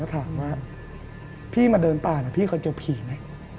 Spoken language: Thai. ถามว่าพี่มาเดินป่านะพี่เคยเจอผีไหม